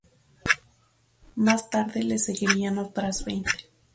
Más tarde les seguirían otras veinte.